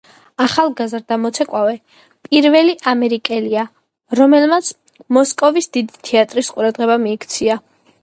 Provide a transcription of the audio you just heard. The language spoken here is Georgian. ახალგაზრდა მოცეკვავე პირველი ამერიკელია, რომელმაც მოსკოვის დიდი თეატრის ყურადღება მიიქცია.